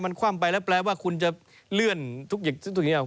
มันคว่ำไปแล้วแปลว่าคุณจะเลื่อนทุกอย่างออก